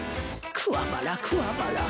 くわばらくわばら。